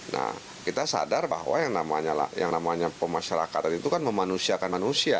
nah kita sadar bahwa yang namanya pemasyarakatan itu kan memanusiakan manusia